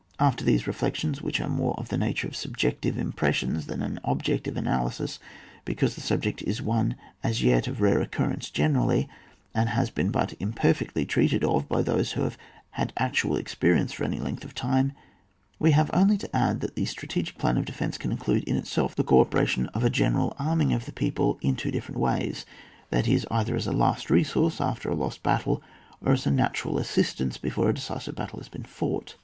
After these reflections, which are more of the nature of subjective impressions than an objective analysis, because the subject is one as yet of rare occurrence generally, and has been but imperfectly treated of by those who have had actual experience for any length of time, we have only to add that the strategic plan of defence can include in itself the co operation of a general arming of the people in two different ways, that is, either as a last resource after a lost battle, or as a natural assistance before a decisive battle has been fought.